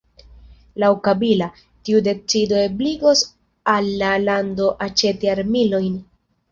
Laŭ Kabila, tiu decido ebligos al la lando aĉeti armilojn.